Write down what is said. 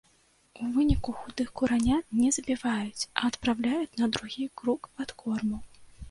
У выніку худых куранят ня забіваюць, а адпраўляюць на другі круг адкорму.